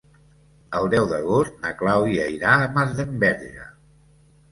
El deu d'agost na Clàudia irà a Masdenverge.